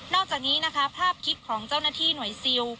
อกจากนี้นะคะภาพคลิปของเจ้าหน้าที่หน่วยซิล